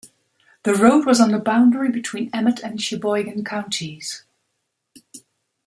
The road was on the boundary between Emmet and Cheboygan counties.